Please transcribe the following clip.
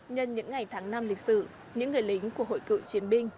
nhân những ngày tháng năm lịch sử những người lính của hội cựu chiến binh